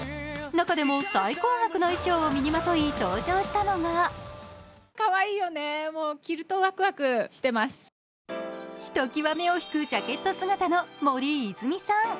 中でも最高額の衣装を身にまとい登場したのがひときわ目を引くジャケット姿の森泉さん。